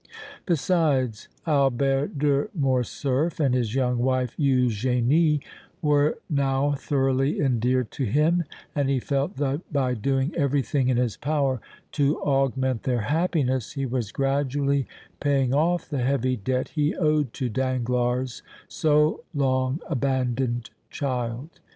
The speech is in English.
Besides, Albert de Morcerf and his young wife Eugénie were now thoroughly endeared to him, and he felt that by doing everything in his power to augment their happiness he was gradually paying off the heavy debt he owed to Danglars' so long abandoned child.